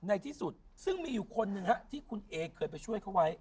ในที่สุดซึ่งมีอยู่คนหนึ่งฮะที่คุณเอเคยไปช่วยเขาไว้